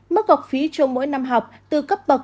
mức học phí cho mỗi năm học từ cấp bậc